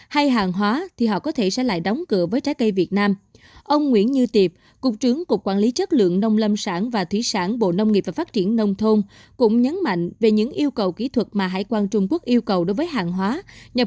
hãy đăng ký kênh để ủng hộ kênh của chúng mình nhé